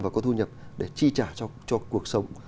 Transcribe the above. và có thu nhập để chi trả cho cuộc sống